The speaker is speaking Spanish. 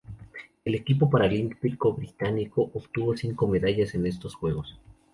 El equipo paralímpico británico obtuvo cinco medallas en estos Juegos.